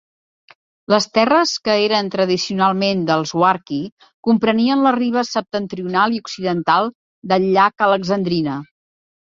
Les terres que eren tradicionalment dels "warki" comprenien les ribes septentrional i occidental del llac Alexandrina.